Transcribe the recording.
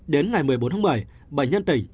đến ngày một mươi bốn một mươi bệnh nhân tỉnh